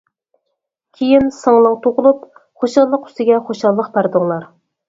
كىيىن سىڭلىڭ تۇغۇلۇپ خۇشاللىق ئۈستىگە خۇشاللىق بەردىڭلار.